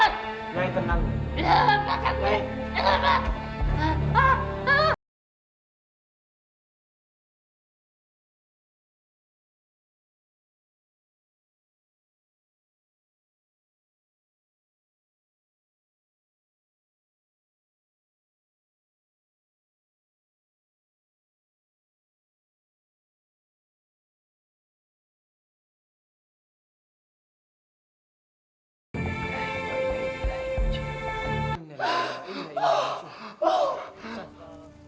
ini senang ditenggelam